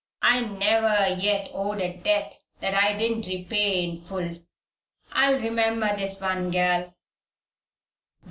I never yet owed a debt that I didn't repay in full. I'll remember this one, gal."